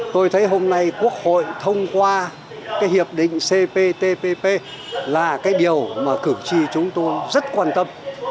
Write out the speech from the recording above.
tôi thấy hôm nay quốc hội thông qua cái hiệp định cptpp là cái điều mà cử tri chúng tôi rất quan tâm